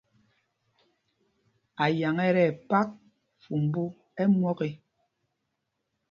Ayaŋ ɛ tí ɛpak fumbū ɛ́ myɔk ê.